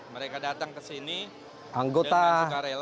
mereka datang ke sini dengan sukarela